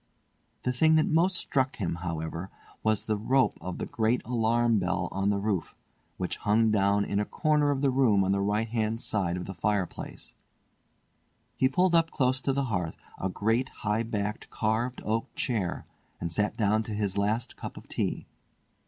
The thing that most struck him, however, was the rope of the great alarm bell on the roof, which hung down in a corner of the room on the right hand side of the fireplace. He pulled up close to the hearth a great high backed carved oak chair, and sat down to his last cup of tea.